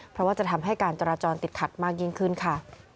เพราะว่าจะทำให้การจราจรติดขัดมากยิ่งขึ้นค่ะ